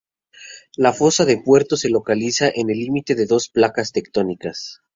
La fosa de Puerto Rico se localiza en el límite de dos placas tectónicas.